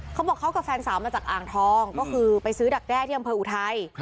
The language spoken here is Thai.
เขาบอกเขากับแฟนสาวมาจากอ่างทองก็คือไปซื้อดักแด้ที่อำเภออุทัย